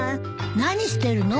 何してるの？